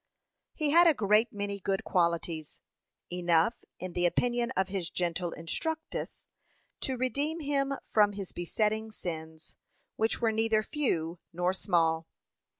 He had a great many good qualities enough, in the opinion of his gentle instructress, to redeem him from his besetting sins, which were neither few nor small.